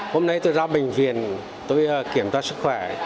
hôm nay tôi ra bệnh viện tôi kiểm tra sức khỏe